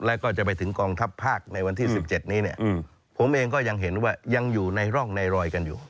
แล้วก็จะไปถึงกองทัพภาคในวันที่๑๗นี้เนี่ยผมเองก็ยังเห็นว่ายังอยู่ในร่องในรอยกันอยู่